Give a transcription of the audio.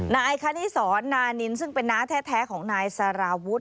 นายคณิสรนานินซึ่งเป็นน้าแท้ของนายสารวุฒิ